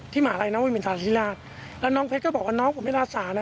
หมาลัยน้องวินทาธิราชแล้วน้องเพชรก็บอกว่าน้องผมไม่รักษานะ